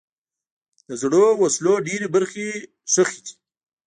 د زړو وسلو ډېری برخې ښخي دي.